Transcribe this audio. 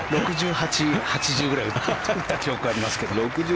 ６８、８０ぐらい打った記憶がありますけど。